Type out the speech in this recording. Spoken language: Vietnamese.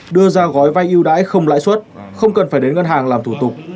đưa ra gói vai yêu đãi không lãi suất không cần phải đến ngân hàng làm thủ tục